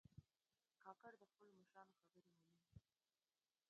کاکړ د خپلو مشرانو خبرې منې.